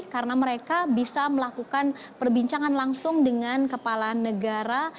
karena mereka bisa melakukan perbincangan langsung dengan kepala negara